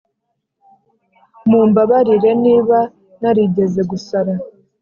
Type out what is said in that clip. mumbabarire niba narigeze gusara,